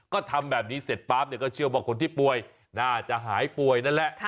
ก็ทำแบบนี้เสร็จปั๊บเนี่ยก็เชื่อว่าคนที่ป่วยน่าจะหายป่วยนั่นแหละ